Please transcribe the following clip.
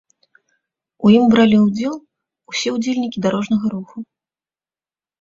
У ім бралі ўдзел усе ўдзельнікі дарожнага руху.